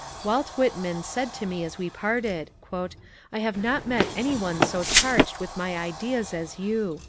Walt Whitman said to me as we parted, ^* I have not met any one so charged with my ideas as you."